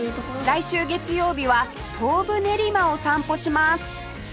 来週月曜日は東武練馬を散歩します